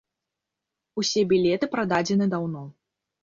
Усе білеты прададзены даўно.